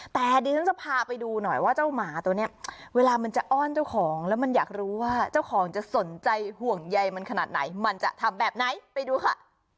แต่ดิฉันจะพาไปดูหน่อยว่าเจ้าหมาตัวนี้เวลามันจะอ้อนเจ้าของแล้วมันอยากรู้ว่าเจ้าของจะสนใจห่วงใยมันขนาดไหนมันจะทำแบบไหนไปดูค่ะ